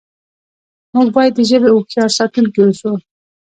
موږ باید د ژبې هوښیار ساتونکي اوسو.